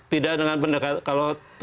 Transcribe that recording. tidak dengan pendekatan